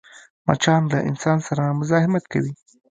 مچان له انسان سره مزاحمت کوي